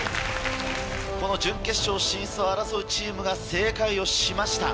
この準決勝進出を争うチームが正解をしました。